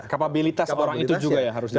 kapabilitas orang itu juga ya harus dijaga